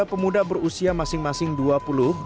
setelah diberi penyelesaian diberi penyelesaian di belakang